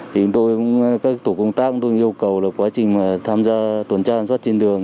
thì tôi cũng các tổ công tác tôi yêu cầu là quá trình tham gia tuần tra sản xuất trên đường